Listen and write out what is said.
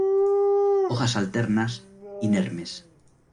Hojas alternas, inermes.